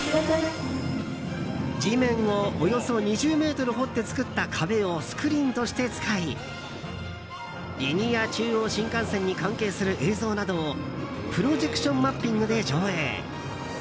地面をおよそ２０ｍ掘って作った壁をスクリーンとして使いリニア中央新幹線に関係する映像などをプロジェクションマッピングで上映。